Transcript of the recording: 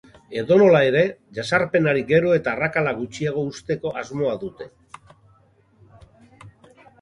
Edonola here, jazarpenari gero eta arrakala gutxiago uzteko asmoa dute.